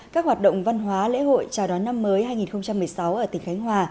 các hoạt động văn hóa lễ hội chào đón năm mới hai nghìn một mươi sáu ở tỉnh khánh hòa